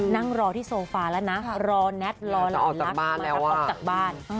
นั่งรอที่โซฟาแล้วนะรอแน็ตรอหลักมาออกจากบ้าน